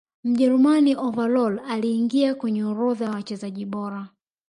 mjerumani overall aliingia kwenye orodha ya wachezaji bora